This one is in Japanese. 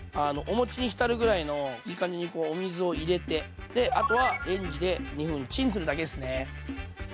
おもちに浸るぐらいのいい感じにこうお水を入れてあとはレンジで２分チンするだけですね。